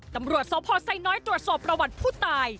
ตำรวจสพไซน้อยตรวจสอบประวัติผู้ตาย